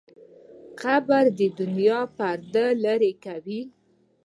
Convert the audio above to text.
قبر د دنیا پرده لرې کوي.